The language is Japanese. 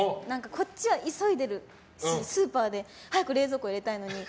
こっちは急いでるしスーパーからの帰りで早く冷蔵庫に入れたいのに。